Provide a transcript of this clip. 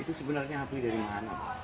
itu sebenarnya api dari mana pak